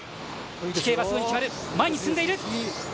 前に進んでいる。